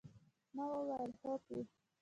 ما وويل هوکې.